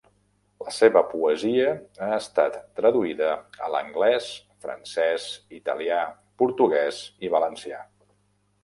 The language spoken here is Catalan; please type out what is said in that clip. La seva poesia ha estat traduïda a l'anglès, francès, italià, portuguès i valencià.